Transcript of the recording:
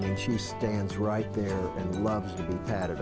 maksud saya dia berdiri di sana dan suka dipaduk